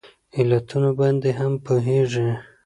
علتونو باندې هم پوهیږي